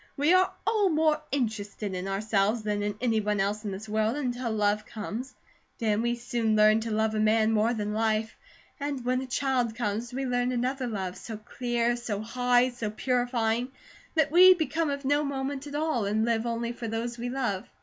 We are all more interested in ourselves than in any one else in this world, until love comes; then we soon learn to a love man more than life, and when a child comes we learn another love, so clear, so high, so purifying, that we become of no moment at all, and live only for those we love."